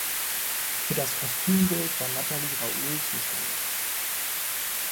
Für das Kostümbild war Nathalie Raoul zuständig.